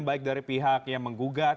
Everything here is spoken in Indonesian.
baik dari pihak yang menggugat